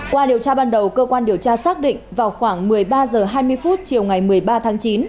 qua điều tra ban đầu cơ quan điều tra xác định vào khoảng một mươi ba h hai mươi chiều ngày một mươi ba tháng chín